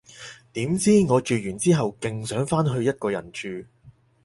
點知，我住完之後勁想返去一個人住